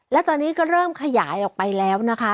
และตอนนี้ก็เริ่มขยายออกไปแล้วนะคะ